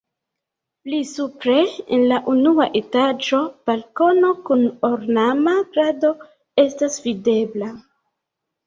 Pli supre en la unua etaĝo balkono kun ornama krado estas videbla.